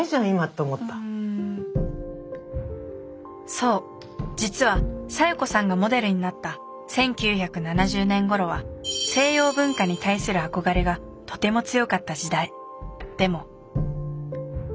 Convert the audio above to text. そう実は小夜子さんがモデルになった１９７０年ごろは西洋文化に対する憧れがとても強かった時代。